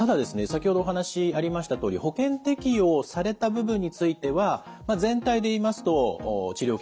先ほどお話ありましたとおり保険適用された部分については全体で言いますと治療受けやすくなったであろうと。